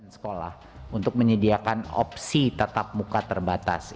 sekolah untuk menyediakan opsi tatap muka terbatas